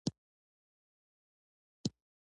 دا زما شعر دی